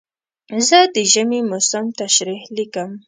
زه د ژمي موسم تشریح لیکم.